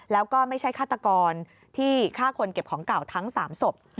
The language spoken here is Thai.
แล้วก็ไม่ใช่ฆาตกรที่ฆ่าคนเก็บของเก่าทั้ง๓ศพ